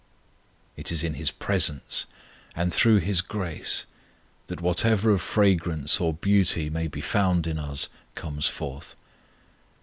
It is in His presence and through His grace that whatever of fragrance or beauty may be found in us comes forth.